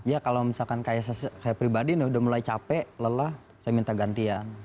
ya kalau misalkan kayak saya pribadi udah mulai capek lelah saya minta gantian